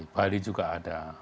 bali juga ada